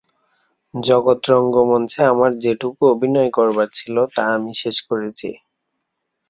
জগৎ-রঙ্গমঞ্চে আমার যেটুকু অভিনয় করবার ছিল, তা আমি শেষ করেছি।